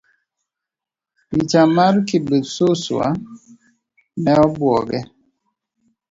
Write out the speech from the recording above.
Picha mar Kibususwa ne obuoge.